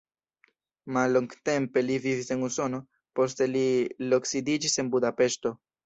Mallongtempe li vivis en Usono, poste li loksidiĝis en Budapeŝto.